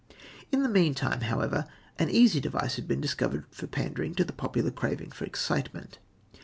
In the meantime, however, an easy device had been discovered for pandering to the popular craving for excitement.